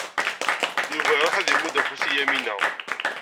Yuba iṛuḥ ad imudd afus i Yamina.